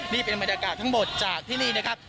นี่เป็นบรรยากาศทั้งหมดจากที่นี่นะครับ